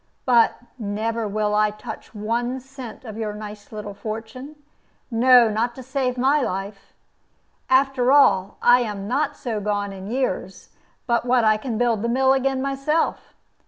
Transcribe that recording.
But never will I touch one cent of your nice little fortune; no, not to save my life. After all, I am not so gone in years but what I can build the mill again myself.